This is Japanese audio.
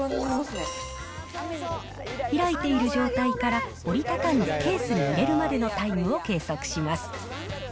開いている状態から折り畳んでケースに入れるまでのタイムを計測します。